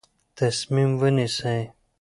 تصمیم ونیسئ.